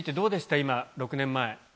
今、６年前。